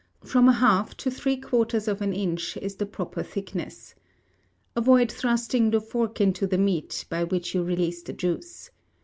From a half to three quarters of an inch is the proper thickness. Avoid thrusting the fork into the meat, by which you release the juice.